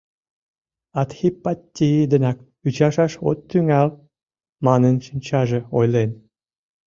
“Адхипатти денак ӱчашаш от тӱҥал”, — манын шинчаже ойлен.